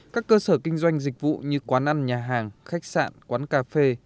các cơ sở kinh doanh dịch vụ như quán ăn nhà hàng khách sạn quán cà phê